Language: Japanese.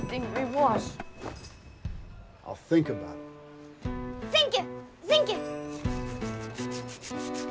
センキューセンキュー。